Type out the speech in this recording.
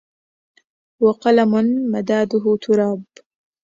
وقلم مداده تراب